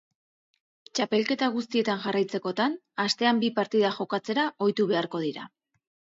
Txapelketa guztietan jarraitzekotan, astean bi partida jokatzera ohitu beharko dira.